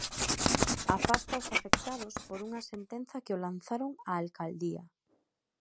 Afasta os afectados por unha sentenza que o lanzaron á alcaldía.